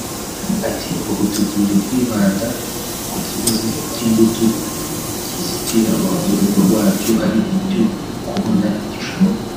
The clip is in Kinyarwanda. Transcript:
Ati “Ubu tugiye kwibanda ku kibazo cy’ingutu kizitira urubyiruko rwacu ari cyo kubona igishoro